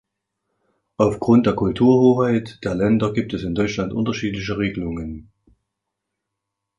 Aufgrund der Kulturhoheit der Länder gibt es in Deutschland unterschiedliche Regelungen.